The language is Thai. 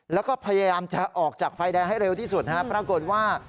แล้วก็พยายามจะออกจากไฟแดงให้เร็วที่สุดปรากฏว่า